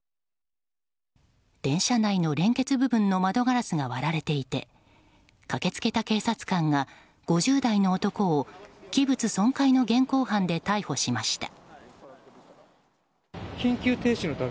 電車内の連結部分の窓ガラスが割られていて駆けつけた警察官が５０代の男を器物損壊の現行犯で逮捕しました。